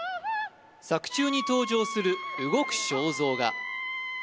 作中に登場する動く肖像画